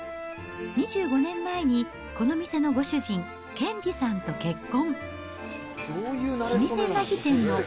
２５年前にこの店のご主人、けんじさんと結婚。